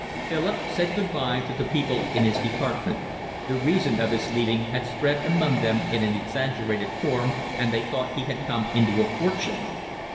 Philip said good bye to the people in his department; the reason of his leaving had spread among them in an exaggerated form, and they thought he had come into a fortune.